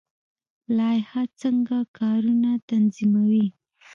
لایحه څنګه کارونه تنظیموي؟